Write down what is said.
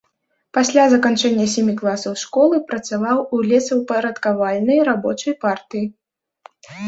Пасля заканчэння сямі класаў школы працаваў у лесаўпарадкавальнай рабочай партыі.